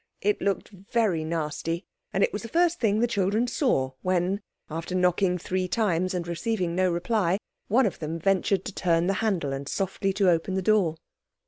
It looked very nasty, and it was the first thing the children saw when, after knocking three times and receiving no reply, one of them ventured to turn the handle and softly to open the door.